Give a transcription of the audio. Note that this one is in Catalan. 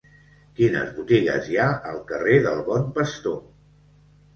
Quines botigues hi ha al carrer del Bon Pastor?